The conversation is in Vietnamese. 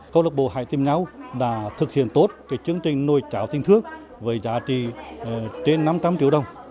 câu lạc bộ hải tiêm nháu đã thực hiện tốt cái chương trình nồi cháo tinh thước với giá trị trên năm trăm linh triệu đồng